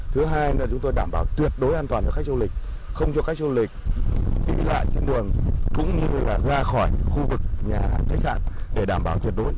thứ hai là chúng tôi đảm bảo tuyệt đối an toàn cho khách du lịch không cho khách du lịch đi lại trên đường cũng như là ra khỏi khu vực nhà khách sạn để đảm bảo tuyệt đối